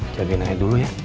jadikan aja dulu ya